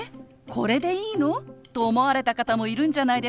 これでいいの？」と思われた方もいるんじゃないでしょうか。